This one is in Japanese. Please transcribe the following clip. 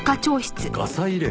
ガサ入れ？